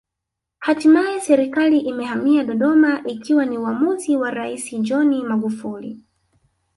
Hatimaye Serikali imehamia Dodoma ikiwa ni uamuzi wa Rais John Magufuli